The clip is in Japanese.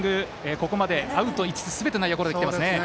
ここまでアウト５つ、すべて内野ゴロできていますね。